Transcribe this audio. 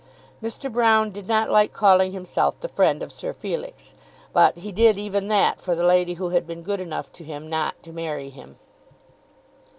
Mr. Broune did not like calling himself the friend of Sir Felix, but he did even that for the lady who had been good enough to him not to marry him.